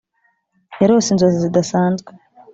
yarose inzozi zidasanzwe,